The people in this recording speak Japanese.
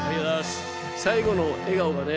最後の笑顔がね